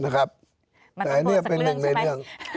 แต่อันนี้เป็นหนึ่งในเรื่อง